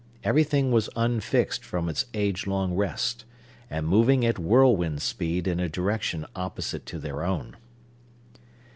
Everything was unfixed from its age long rest, and moving at whirlwind speed in a direction opposite to their own.